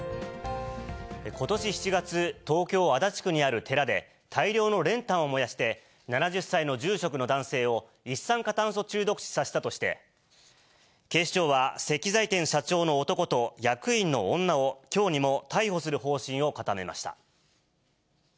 ことし７月、東京・足立区にある寺で、大量の練炭を燃やして７０歳の住職の男性を一酸化炭素中毒死させたとして、警視庁は石材店社長の男と役員の女を、きょうにも逮捕する方針を固めました。